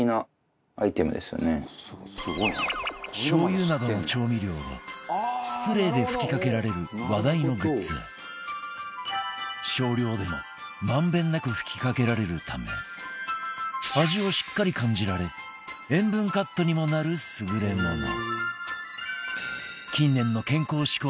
醤油などの調味料をスプレーで吹きかけられる話題のグッズ少量でも満遍なく吹きかけられるため味をしっかり感じられ塩分カットにもなる優れもの